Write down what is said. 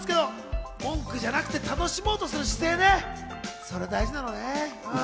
文句じゃなく楽しもうとする姿勢ね、それ大事だよね。